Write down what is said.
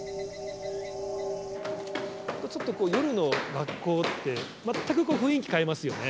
ちょっとこう夜の学校って全く雰囲気変わりますよね。